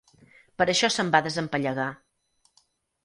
Per això se'n va desempallegar.